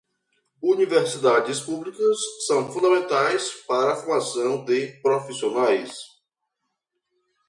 Universidades públicas são fundamentais para a formação de profissionais.